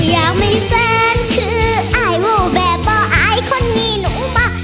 อยากมีแฟนคืออย่าผ่วงแบบอ้ายคนนี้หนูเหมาะ